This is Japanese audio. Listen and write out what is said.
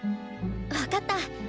分かった。